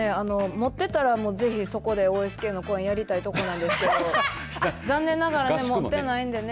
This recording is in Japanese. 持ってたらぜひそこでＯＳＫの公演やりたいところなんですけれど残念ながらね、持ってないんでね